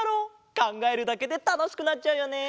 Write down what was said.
かんがえるだけでたのしくなっちゃうよねえ。